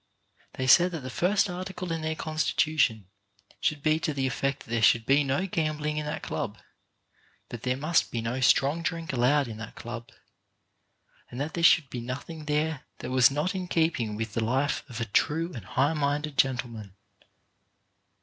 They said that the first article in their constitution should be to the effect that there should be no gambling in that club; that there must be no strong drink allowed in that club, and that there should be nothing there that was not in keeping with the life of a true and high minded gentleman.